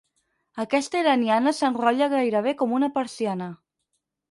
Aquesta iraniana s'enrotlla gairebé com una persiana.